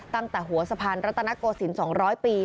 ตั้งแต่หัวสะพานรัตนโกศิลป๒๐๐ปี